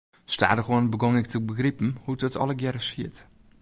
Stadichoan begûn ik te begripen hoe't it allegearre siet.